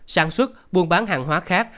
sản xuất buôn bán hàng hóa khác